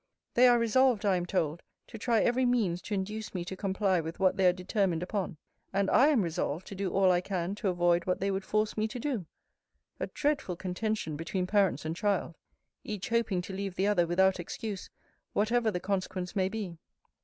They are resolved, I am told, to try every means to induce me to comply with what they are determined upon. And I am resolved to do all I can to avoid what they would force me to do. A dreadful contention between parents and child! Each hoping to leave the other without excuse, whatever the consequence may be.